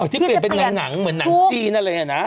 ที่เปลี่ยนเป็นหนังเหมือนหนังจีนอะไรอย่างนี้นะ